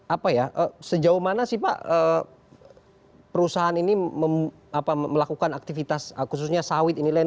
apa ya sejauh mana sih pak perusahaan ini melakukan aktivitas khususnya sawit ini lain